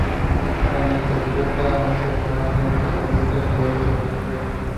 Cuando interpreta a un personaje, usa pelucas y otros accesorios.